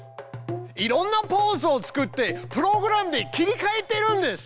いろんなポーズを作ってプログラムで切りかえてるんです。